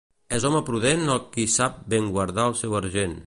És home prudent el qui sap ben guardar el seu argent.